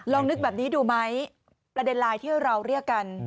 นึกแบบนี้ดูไหมประเด็นไลน์ที่เราเรียกกัน